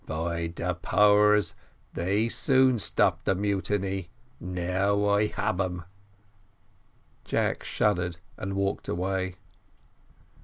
"By de powers, they soon stop de mutiny; now I hab 'em." Jack shuddered and walked away.